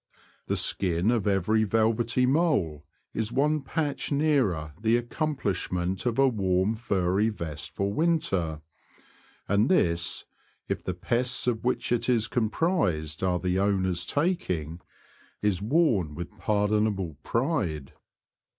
The skin of every velvety mole is one patch nearer the accom plishment of a warm, furry vest for winter, and this, if the pests of which it is comprised are the owner's taking, is worn with pardonable pride.